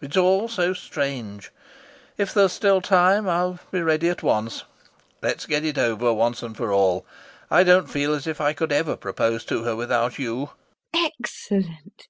It's all so strange.... If there's still time, I'll be ready at once... Let's get it over, once and for all; I don't feel as if I could ever propose to her without you. LUBOV. Excellent.